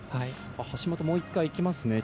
橋本、もう１回、いきますね。